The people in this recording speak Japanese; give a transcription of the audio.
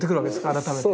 改めて。